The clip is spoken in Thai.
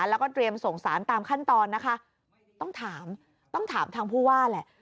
แล้วก็เตรียมส่งสารตามขั้นตอนนะคะต้องถามต้องถามทางผู้ว่าแหละ